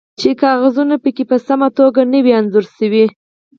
چې کاغذونه پکې په سمه توګه نه وي انځور شوي